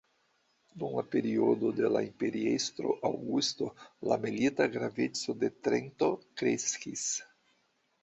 Dum la periodo de la imperiestro Augusto, la milita graveco de Trento kreskis.